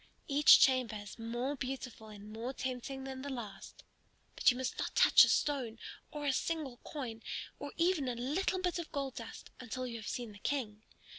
Each chamber is more beautiful and more tempting than the last. But you must not touch a stone or a single coin, or even a little bit of gold dust, until you have seen the King.